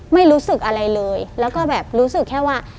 ไม่รู้สึกอะไรเลยแล้วก็แบบรู้สึกแค่ว่า